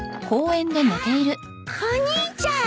お兄ちゃん！